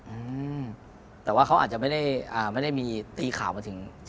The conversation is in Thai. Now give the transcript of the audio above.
อืมแต่ว่าเขาอาจจะไม่ได้มีตีข่าวมาถึงตรงนี้